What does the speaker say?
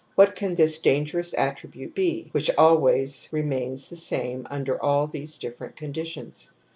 What can this dangerous attribute be which always remains the same under all these different conditions